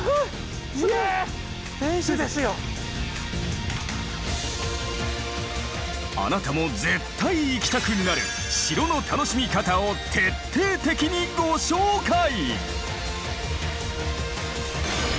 すごい！あなたも絶対行きたくなる城の楽しみ方を徹底的にご紹介！